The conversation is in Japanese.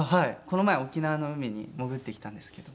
この前沖縄の海に潜ってきたんですけど。